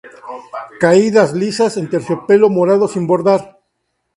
Caídas lisas en terciopelo morado sin bordar.